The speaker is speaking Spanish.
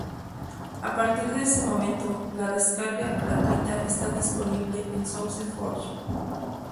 A partir de ese momento, la descarga gratuita está disponible en SourceForge.